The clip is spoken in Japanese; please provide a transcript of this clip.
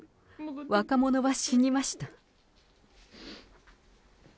若者は死にました。